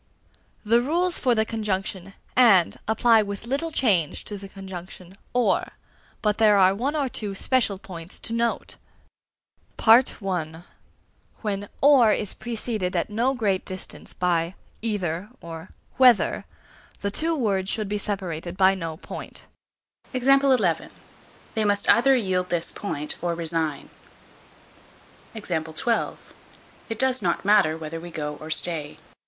_ The rules for the conjunction "and" apply with little change to the conjunction "or"; but there are one or two special points to note. (a) When "or" is preceded at no great distance by "either" or "whether," the two words should be separated by no point. They must either yield this point or resign. It does not matter whether we go or stay.